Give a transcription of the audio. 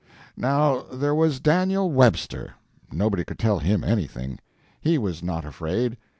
Now there was Daniel Webster. Nobody could tell him anything. He was not afraid.